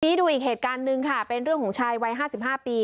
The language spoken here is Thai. นี้ดูอีกเหตุการณ์นึงค่ะเป็นเรื่องของชายวัยห้าสิบห้าปี